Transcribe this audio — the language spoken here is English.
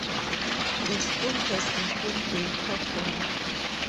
The school has a full-day program.